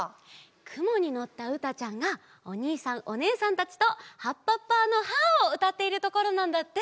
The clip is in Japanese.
くもにのったうたちゃんがおにいさんおねえさんたちと「はっぱっぱのハーッ！」をうたっているところなんだって。